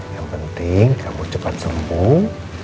yang penting kamu cepat sembuh